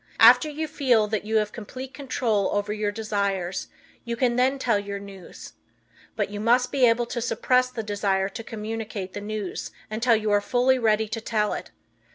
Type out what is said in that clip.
After you feel that you have complete control over your desires you can then tell your news. But you must be able to suppress the desire to communicate the news until you are fully ready to tell it.